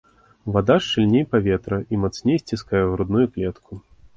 Вада шчыльней паветра і мацней сціскае грудную клетку.